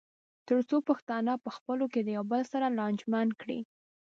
تر څو پښتانه پخپلو کې د یو بل سره لانجمن کړي.